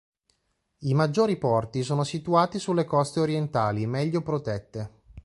I maggiori porti sono situati sulle coste orientali, meglio protette.